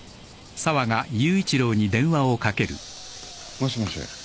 もしもし。